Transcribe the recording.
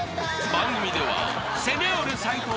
［番組では］